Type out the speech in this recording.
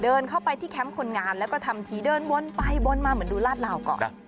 เดินเข้าไปที่แคมป์คนงานแล้วก็ทำทีเดินวนไปวนมาเหมือนดูลาดลาวก่อน